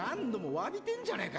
詫びてんじゃねえか！